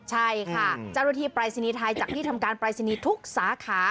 ใช่ค่ะเจ้าหน้าที่ปรายศนีย์ไทยจากที่ทำการปรายศนีย์ทุกสาขา